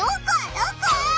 どこ？